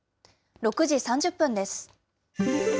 ６時３０分です。